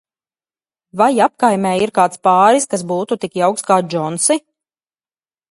Vai apkaimē ir kāds pāris, kas būtu tik jauks kā Džonsi?